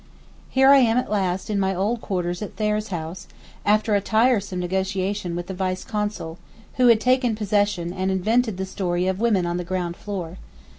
Here I am at last in my old quarters at Thayer's house, after a tiresome negotiation with the Vice Consul, who had taken possession and invented the story of women on the ground floor.